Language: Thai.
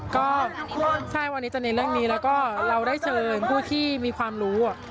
ก็ใช่วันนี้จะเน้นเรื่องนี้แล้วก็เราได้เชิญผู้ที่มีความรู้